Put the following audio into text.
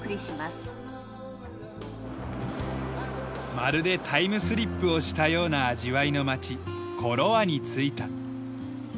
まるでタイムスリップをしたような味わいの町コロアに着いた。